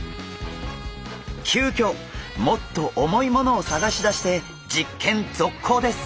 きゅうきょもっと重い物を探し出して実験続行です！